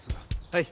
はい。